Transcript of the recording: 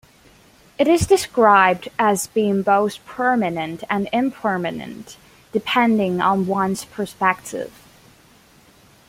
It is described as being both permanent and impermanent, depending on one's perspective.